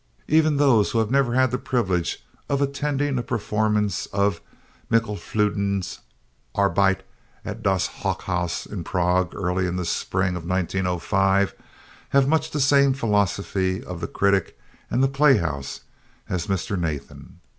Even those who have never had the privilege of attending a performance of Micklefluden's "Arbeit" at Das Hochhaus in Prague early in the spring of 1905 have much the same philosophy of the critic and the playhouse as Mr. Nathan.